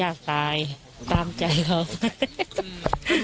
คุณสังเงียมต้องตายแล้วคุณสังเงียม